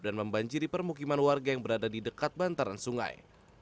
dan membanjiri permukiman warga yang berada di dekat bantaran sungai